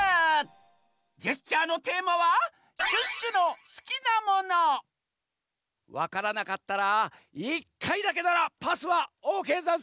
ジェスチャーのテーマはわからなかったら１かいだけならパスはオーケーざんすよ。